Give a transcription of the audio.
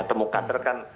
temukan kader kan